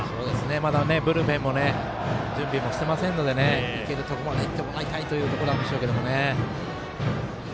まだ、ブルペンも準備はしていませんのでいけるところまでいってもらいたいというところなんでしょうけどね。